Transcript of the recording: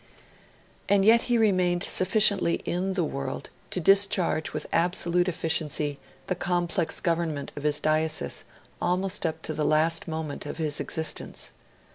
And yet he remained sufficiently in the world to discharge with absolute efficiency the complex government of his diocese almost up to the last moment of his existence.